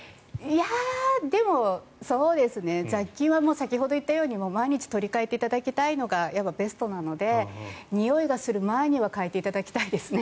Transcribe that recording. でも、雑菌は先ほど言ったように毎日取り換えていただくのがベストなのでにおいがする前には替えていただきたいですね。